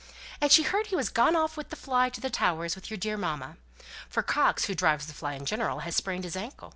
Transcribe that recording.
and she heard he was gone off with the fly to the Towers with your dear mamma; for Coxe who drives the fly in general has sprained his ankle.